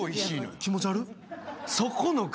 気持ち悪っ。